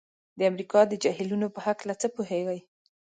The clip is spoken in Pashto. د امریکا د جهیلونو په هلکه څه پوهیږئ؟